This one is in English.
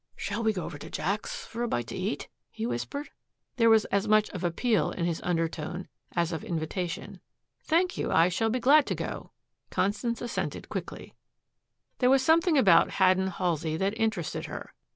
"Shall we go over to Jack's for a bite to eat?" he whispered. There was as much of appeal in his undertone as of invitation. "Thank you. I shall be glad to go," Constance assented quickly. There was something about Haddon Halsey that interested her.